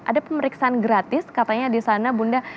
ada pemeriksaan gratis katanya disana bunda